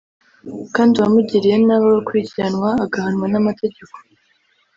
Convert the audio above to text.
kandi uwamugiriye nabi agakurikiranwa agahanwa n’amategeko